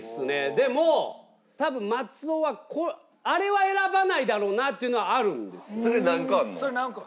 でも多分松尾はあれは選ばないだろうなっていうのはあるんですよ。